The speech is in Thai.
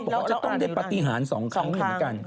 และต้องปฏิหารสองครั้ง